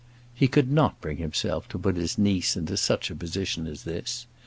He could not bring himself to put his niece into such a position as this.